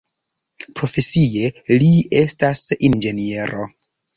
Profesie li estas inĝeniero.